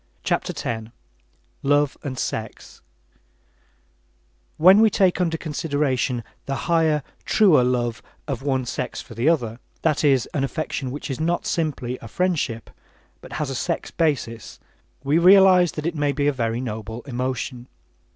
CHAPTER X LOVE AND SEX When we take under consideration the higher, truer love of one sex for the other, that is, an affection which is not simply a friendship, but has a sex basis, we realize that it may be a very noble emotion.